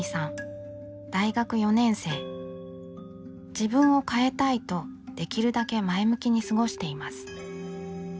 自分を変えたいとできるだけ前向きに過ごしています。